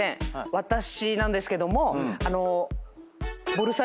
私なんですけども。